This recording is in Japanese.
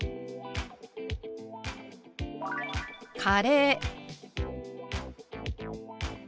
「カレー」。